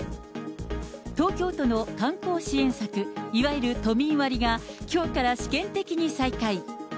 東京都の観光支援策、いわゆる都民割が、きょうから試験的に再開。